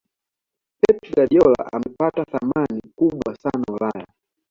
pep guardiola amepata thamani kubwa sana ulaya